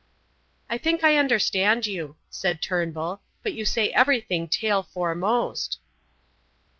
"I think I understand you," said Turnbull, "but you say everything tail foremost."